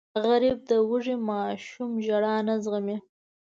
غریب د وږې ماشوم ژړا نه زغمي